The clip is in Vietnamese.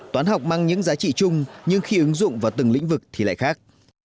toán học mang những giá trị chung nhưng khi ứng dụng vào từng lĩnh vực thì lại khác